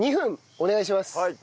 お願いします。